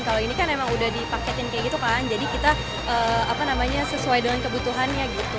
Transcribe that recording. kalau ini kan emang udah dipaketin kayak gitu kan jadi kita apa namanya sesuai dengan kebutuhannya gitu